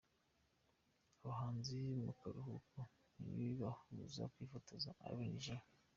Abahanzi mu karuhuko ntibibabuza kwifotoza, Ally G, M.